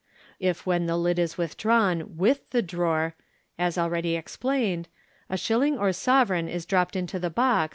If when the lid is withdrawn with the drawer, as already explained, a shilling or sovereign is dropped into the box.